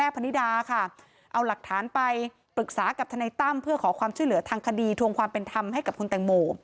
ปรึกษากับทนัยตั้มเพื่อขอความช่วยเหลือทางคดีถวงความเป็นทำให้กับคุณตังโม